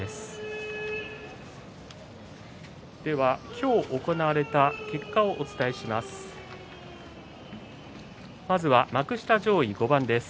今日行われた結果をお伝えします。